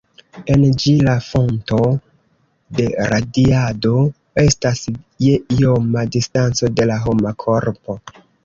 En ĝi la fonto de radiado estas je ioma distanco de la homa korpo.